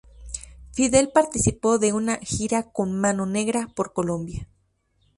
Fidel participó de una gira con Mano Negra por Colombia.